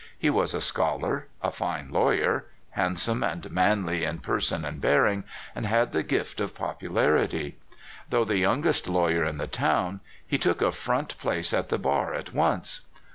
He was a scholar, a fine lawyer, hand some and manl}^ in person and bearing, and had the gift of popularit}'. Though the 3'oungest lawyer in the town, he took a front place at the bar at 230 CALIFORNIA SKETCHES. once.